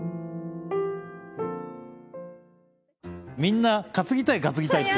みんな「担ぎたい担ぎたい」って。